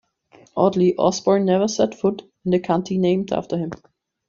Oddly, Osborne never set foot in the county named after him.